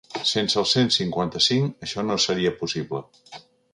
Sense el cent cinquanta-cinc això no seria possible.